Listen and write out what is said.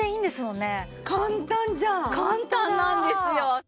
簡単なんですよ。